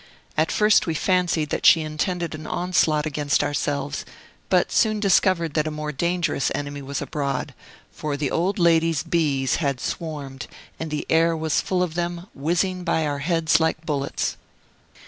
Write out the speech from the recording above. At first we fancied that she intended an onslaught against ourselves, but soon discovered that a more dangerous enemy was abroad; for the old lady's bees had swarmed, and the air was full of them, whizzing by our heads like bullets.